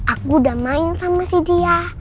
aku udah main sama si dia